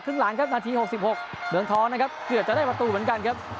หลังครับนาที๖๖เมืองทองนะครับเกือบจะได้ประตูเหมือนกันครับ